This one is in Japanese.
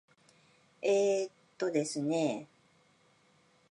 えーとですね。